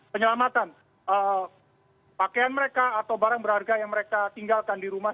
penyelamatan pakaian mereka atau barang berharga yang mereka tinggalkan di rumah